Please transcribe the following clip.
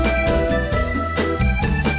ขอโชคดีค่ะ